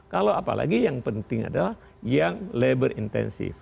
kalau apalagi yang penting adalah yang labor intensif